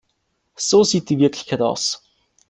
So sieht die Wirklichkeit aus.